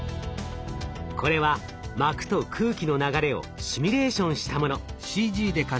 これは膜と空気の流れをシミュレーションしたもの。